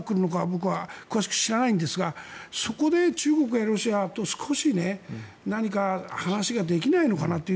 僕は詳しく知らないんですがそこで、中国やロシアと何か話ができないのかなと。